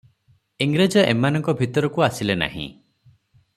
ଇଂରେଜ ଏମାନଙ୍କ ଭିତରକୁ ଆସିଲେ ନାହିଁ ।